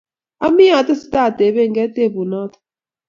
Ami atesetai atebege tebut noto